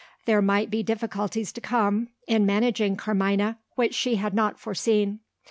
There might be difficulties to come, in managing Carmina, which she had not foreseen.